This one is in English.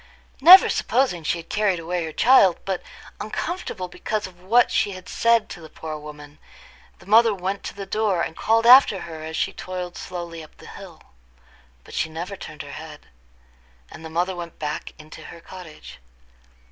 Never supposing she had carried away her child, but uncomfortable because of what she had said to the poor woman, the mother went to the door, and called after her as she toiled slowly up the hill. But she never turned her head; and the mother went back into her cottage.